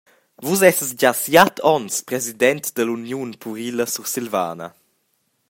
Vus essas gia siat onns president dall’Uniun purila sursilvana.